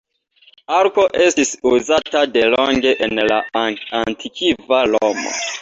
Arko estis uzata delonge en la Antikva Romo.